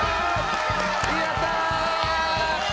やった！